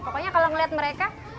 pokoknya kalau melihat mereka